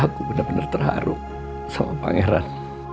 aku bener bener terharu sama pangeran